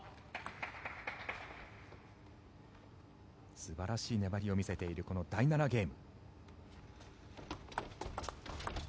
素晴らしい粘りを見せている第７ゲーム。